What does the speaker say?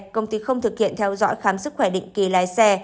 công ty không thực hiện theo dõi khám sức khỏe định kỳ lái xe